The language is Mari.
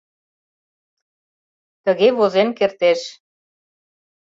тыге возен кертеш.